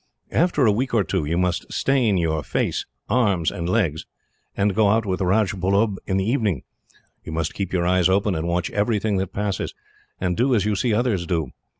"After a week or two, you must stain your face, arms, and legs, and go out with Rajbullub in the evening. You must keep your eyes open, and watch everything that passes, and do as you see others do.